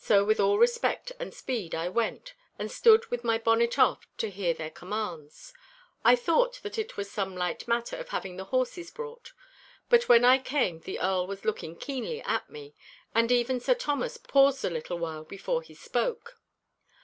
So with all respect and speed I went, and stood with my bonnet off to hear their commands. I thought that it was some light matter of having the horses brought. But when I came the Earl was looking keenly at me, and even Sir Thomas paused a little while before he spoke.